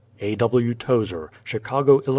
A. W. Tozer Chicago, Ill.